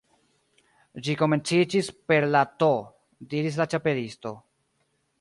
"Ĝi komenciĝis per la T " diris la Ĉapelisto.